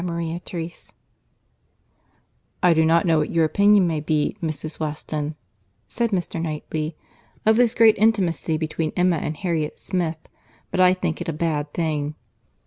CHAPTER V "I do not know what your opinion may be, Mrs. Weston," said Mr. Knightley, "of this great intimacy between Emma and Harriet Smith, but I think it a bad thing."